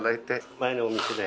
前のお店で。